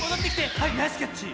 はいナイスキャッチ。